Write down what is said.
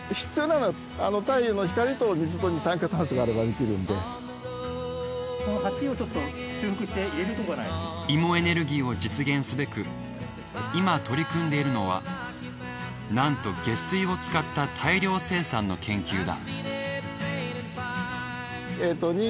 ツルや葉っぱも芋エネルギーを実現すべく今取り組んでいるのはなんと下水を使った大量生産の研究だ。